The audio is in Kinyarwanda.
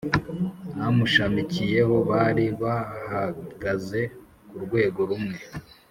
Amushamikiyeho bari bahagaze k’ urwego rumwe